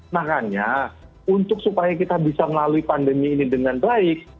makanya untuk supaya kita bisa melalui pandemi ini dengan baik